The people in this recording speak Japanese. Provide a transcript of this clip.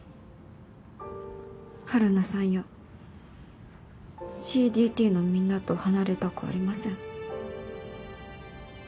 晴汝さんやＣＤＴのみんなと離れたくありません。